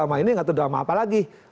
drama ini gak terdrama apa lagi